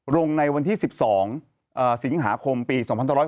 ลงในวันที่๑๒สิงหาคมปี๒๕๖๐